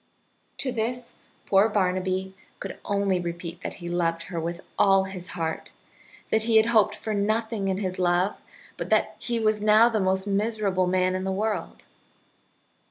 To this poor Barnaby could only repeat that he loved her with all his heart, that he had hoped for nothing in his love, but that he was now the most miserable man in the world.